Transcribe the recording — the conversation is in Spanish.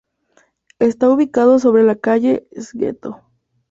Está ubicado sobre la calle Sgto.